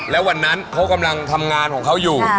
แล้ววันนั้นเขากำลังทำงานของเขาอยู่